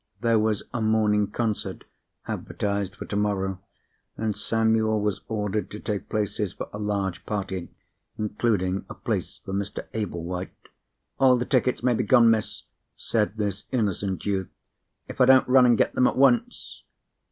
There was a morning concert advertised for tomorrow, and Samuel was ordered to take places for a large party, including a place for Mr. Ablewhite. "All the tickets may be gone, Miss," said this innocent youth, "if I don't run and get them at once!"